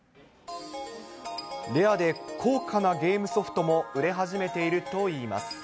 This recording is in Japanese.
レアで高価なゲームソフトも売れ始めているといいます。